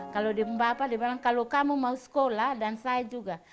kalau bapak dibilang kalau kamu mau sekolah dan saya juga